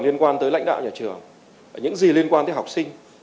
liên quan tới lãnh đạo nhà trường những gì liên quan tới học sinh